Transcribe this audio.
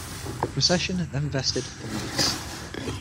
The procession then vested for Mass.